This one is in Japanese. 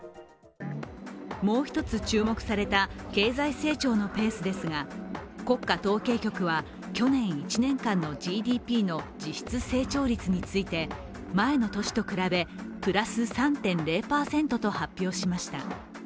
もう一つ注目された経済成長のペースですが国家統計局は去年１年間のＧＤＰの実質成長率について、前の年に比べプラス３．０％と発表しました。